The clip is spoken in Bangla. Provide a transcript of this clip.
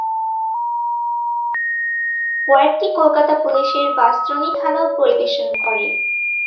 ওয়ার্ডটি কলকাতা পুলিশের বাঁশদ্রোণী থানা পরিবেশন করে।